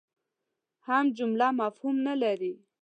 هم جمله مفهوم نه لري.